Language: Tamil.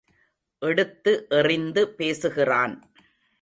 எடுத்து எறிந்து பேசுகிறான்.